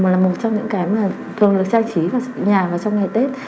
là một trong những cái mà thường được trang trí nhà vào trong ngày tết